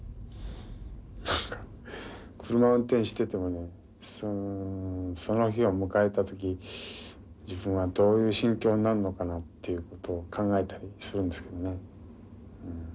車運転しててもねその日を迎えた時自分はどういう心境になるのかなということを考えたりするんですけどね。